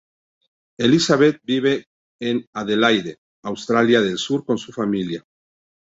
Elizabeth vive en Adelaide, Australia Del sur con su familia.